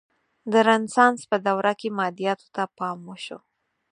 د رنسانس په دوره کې مادیاتو ته پام وشو.